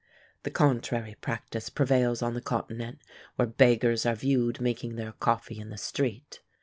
The contrary practice prevails on the continent, where beggars are viewed making their coffee in the street.